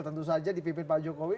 tentu saja dipimpin pak jokowi